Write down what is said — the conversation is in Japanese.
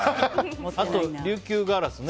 あと、琉球ガラスね。